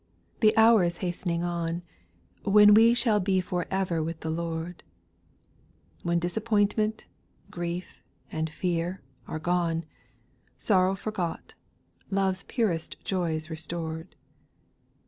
the hour is hastening on, When we shall be for ever with the Lord ; When disappointment, grief, and fear, are gone, Sorrow forgot, love's purest joys restored.